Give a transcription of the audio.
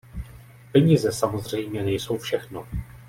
Peníze samozřejmě nejsou všechno.